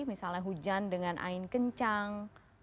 misalnya hujan dengan angin kencang